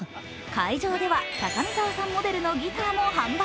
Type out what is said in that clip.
会場では高見沢さんモデルのギターも販売。